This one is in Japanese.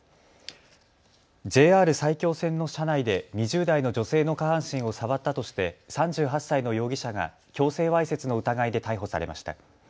ＪＲ埼京線の車内で２０代の女性の下半身を触ったとして３８歳の容疑者が強制わいせつの疑いで逮捕されました。